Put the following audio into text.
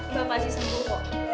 mbak pasti sembuh kok